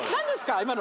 今の。